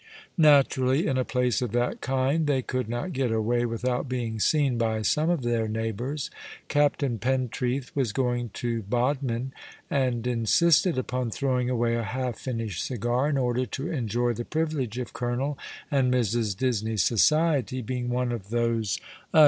Naturally, in a place of that kind, they could not get away without being seen by some of their neighbours. Captain Pentreath was going to Bodmin, and insisted upon throwing away a half finished cigar in order to enjoy the privilege of Colonel and Mrs. Disney's society, being one of those un ,^^ My Life continues yours!'